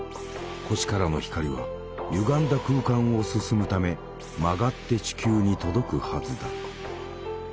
星からの光はゆがんだ空間を進むため曲がって地球に届くはずだ。